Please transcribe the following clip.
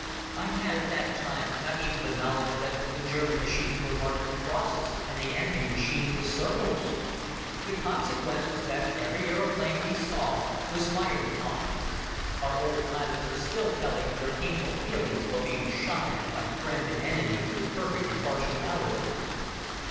I had at that time not even the knowledge that the German machines were marked with crosses and the enemy machines with circles. The consequence was that every aeroplane we saw was fired upon. Our old pilots are still telling of their painful feelings while being shot at by friend and enemy with perfect impartiality.